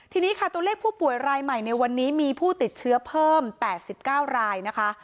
ทีนี้ค่ะตัวเลขผู้ป่วยรายใหม่ในวันนี้มีผู้ติดเชื้อเพิ่ม๘๙รายนะคะ